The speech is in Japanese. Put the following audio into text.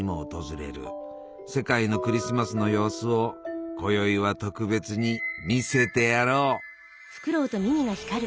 世界のクリスマスの様子をこよいは特別に見せてやろう。